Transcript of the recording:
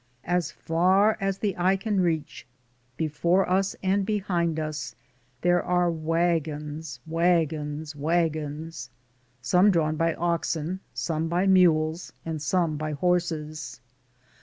As far as the eye can reach, before us and behind us, there are wagons, wagons, wagons; some drawn by oxen, some by mules, and some by horses.